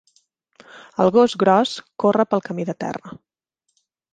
El gos gros corre pel camí de terra.